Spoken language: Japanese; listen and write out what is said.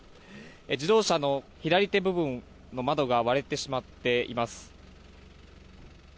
自動車の左手部分の窓が割れてしまっています。